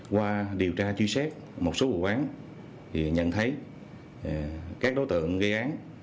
qua điều tra truy xét một số vụ án nhận thấy các đối tượng gây án